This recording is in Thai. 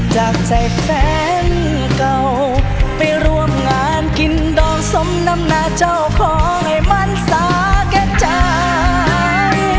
จากใจแฟนเก่าไปร่วมงานกินดองสมน้ำนาเจ้าของให้มันสาแก่ใจ